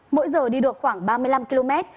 mỗi giờ đi được khoảng ba mươi năm km